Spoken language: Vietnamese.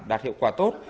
đạt hiệu quả tốt